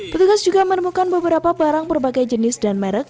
petugas juga menemukan beberapa barang berbagai jenis dan merek